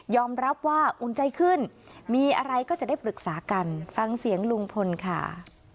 รับว่าอุ่นใจขึ้นมีอะไรก็จะได้ปรึกษากันฟังเสียงลุงพลค่ะ